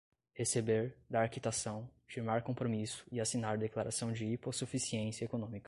receber, dar quitação, firmar compromisso e assinar declaração de hipossuficiência econômica